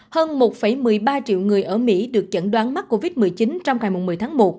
hơn một một mươi ba triệu người ở mỹ được chẩn đoán mắc covid một mươi chín trong ngày một mươi tháng một